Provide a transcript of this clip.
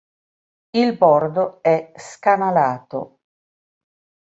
Il bordo è scanalato.